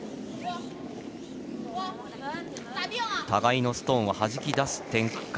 互いのストーンをはじき出す展開。